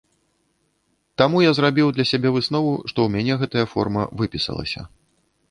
Таму я зрабіў для сябе выснову, што ў мяне гэтая форма выпісалася.